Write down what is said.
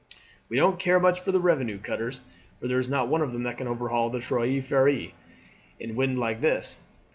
We don't care much for the revenue cutters, for there is not one of them that can overhaul the Trois Freres in a wind like this.